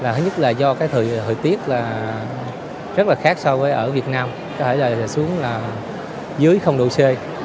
thứ nhất là do thời tiết rất là khác so với ở việt nam có thể là xuống dưới độ c